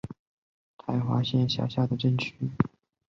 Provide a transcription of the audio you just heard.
斯坦顿镇区为美国堪萨斯州渥太华县辖下的镇区。